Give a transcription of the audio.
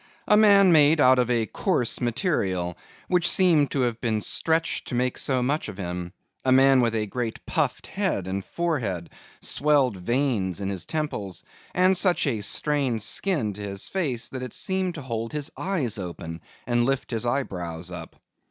A man made out of a coarse material, which seemed to have been stretched to make so much of him. A man with a great puffed head and forehead, swelled veins in his temples, and such a strained skin to his face that it seemed to hold his eyes open, and lift his eyebrows up.